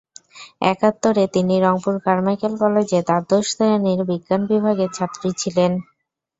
একাত্তরে তিনি রংপুর কারমাইকেল কলেজে দ্বাদশ শ্রেণীর বিজ্ঞান বিভাগের ছাত্রী ছিলেন।